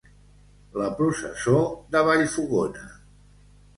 La processó de Vallfogona.